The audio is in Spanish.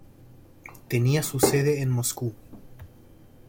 Tenía su sede en Moscú.